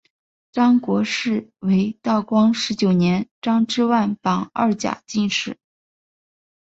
张国士为道光十九年张之万榜二甲进士。